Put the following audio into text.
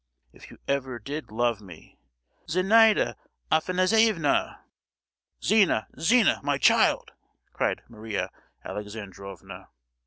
"If you ever did love me——" "Zenaida Afanassievna!" "Zina, Zina—my child!" cried Maria Alexandrovna.